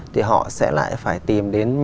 thì họ sẽ lại phải tìm đến